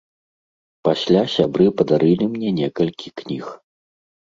Пасля сябры падарылі мне некалькі кніг.